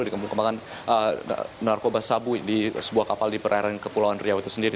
dikembang kembangkan narkoba sabu di sebuah kapal di perairan kepulauan riau itu sendiri